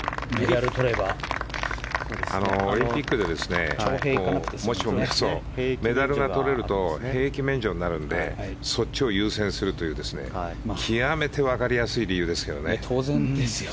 オリンピックでメダルがとれると兵役免除になるのでそっちを優先するという極めて分かりやすい理由ですけどね。